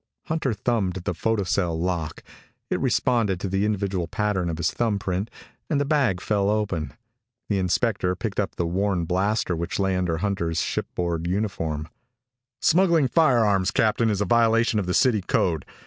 Hunter thumbed the photocell lock. It responded to the individual pattern of his thumbprint, and the bag fell open. The inspector picked up the worn blaster which lay under Hunter's shipboard uniform. "Smuggling firearms, Captain, is a violation of the city code.